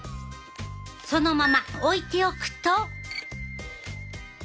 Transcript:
そのまま置いておくと。